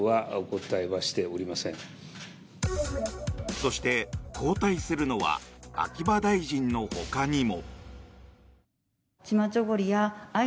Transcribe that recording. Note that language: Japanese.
そして交代するのは秋葉大臣のほかにも。